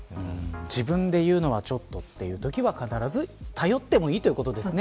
自分で言うのがちょっとというときには頼ってもいいということですね。